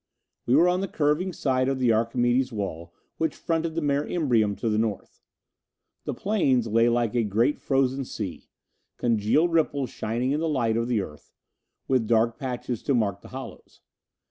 We were on the curving side of the Archimedes wall which fronted the Mare Imbrium to the North. The plains lay like a great frozen sea, congealed ripples shining in the light of the Earth, with dark patches to mark the hollows.